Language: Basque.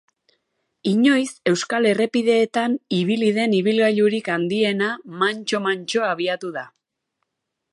Inoiz euskal errepideetan ibili den ibilgailurik handiena mantso-mantso abiatu da.